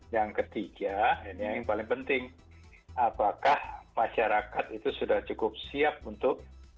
yang ketiga ini yang paling penting apakah masyarakat itu sudah cukup siap untuk